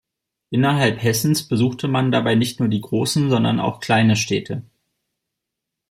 Innerhalb Hessens besuchte man dabei nicht nur die großen, sondern auch kleine Städte.